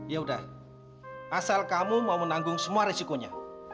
ya udah asal kamu mau menanggung semua resikonya